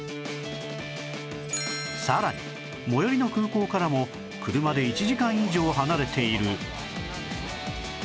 さらに最寄りの空港からも車で１時間以上離れている